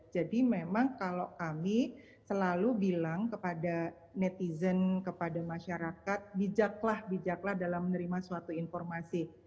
jadi memang kalau kami selalu bilang kepada netizen kepada masyarakat bijaklah bijaklah dalam menerima suatu informasi